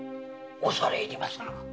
恐れ入りまする。